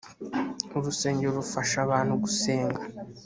urusengero rufasha abantu gusenga.